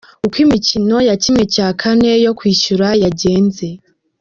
Uko imikino ya ¼ yo kwishyura yagenze.